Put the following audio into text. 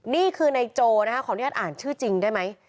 นี่คือนายโจนะคะขออนุญาตอ่านชื่อจริงได้ไหม